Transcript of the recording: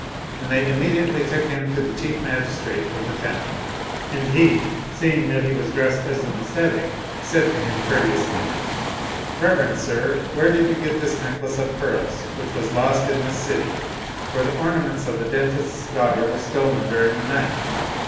And they im mediately took him to the chief magistrate of the town ; and he, seeing that he was dressed as an ascetic, said to him courteously, " Reverend sir, where did you get this necklace of pearls which was lost in this city, for the ornaments of the dentist's daughter were stolen during the night?"